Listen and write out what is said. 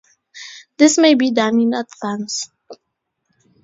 This may be done in advance.